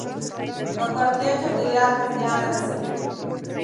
ککړتیا چاپیریال ته زیان رسوي